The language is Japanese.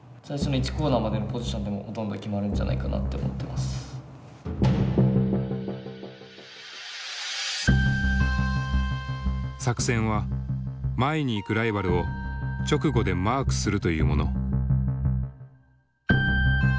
できれば作戦は前に行くライバルを直後でマークするというもの。